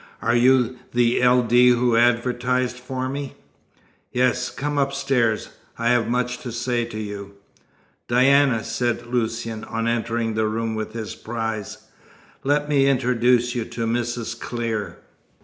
"Are you the L. D. who advertised for me?" "Yes. Come upstairs. I have much to say to you." "Diana," said Lucian, on entering the room with his prize, "let me introduce you to Mrs. Clear."